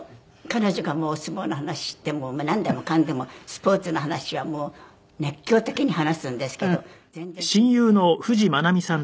彼女がお相撲の話をしてもなんでもかんでもスポーツの話は熱狂的に話すんですけど全然付いていけなくて。